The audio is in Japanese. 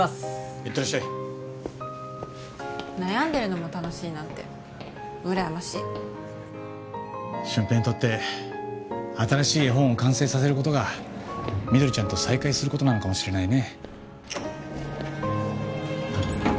行ってらっしゃい悩んでるのも楽しいなんて羨ましい俊平にとって新しい絵本を完成させることがみどりちゃんと再会することなのかもしれないね